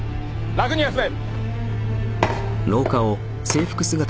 楽に休め。